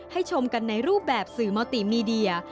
ชมกันในรูปแบบสื่อมอลติมีเดีย